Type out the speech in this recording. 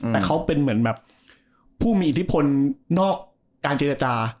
แต่เขาเป็นเหมือนแบบผู้มีอิทธิพลนอกการเจรจา